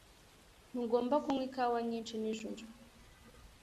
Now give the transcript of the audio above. Ntugomba kunywa ikawa nyinshi nijoro.